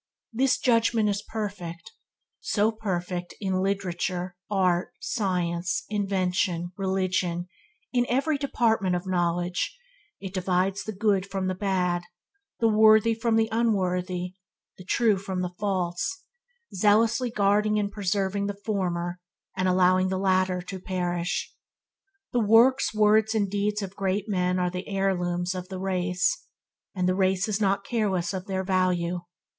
This judgement is perfect; so perfect than in literature, art, science, invention, religion – in every department of knowledge – it divides the good from the bad, the worthy from the unworthy, the true from the false, zealously guarding and preserving the former, and allowing the latter to perish. The works, words, and deeds of great men are the heirlooms of the race, and the race is not careless of their value.